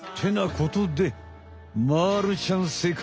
ことでまるちゃん正解。